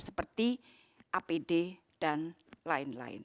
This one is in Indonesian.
seperti apd dan lain lain